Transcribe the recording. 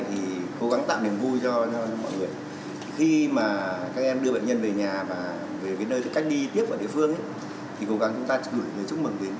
thì cố gắng chúng ta gửi chúc mừng đến những người khỏe mạnh